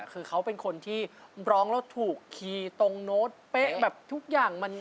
คือเขาเป็นคนที่ร้องแล้วถูกคีย์ตรงโน้ตเป๊ะแบบทุกอย่าง